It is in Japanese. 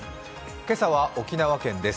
今朝は沖縄県です。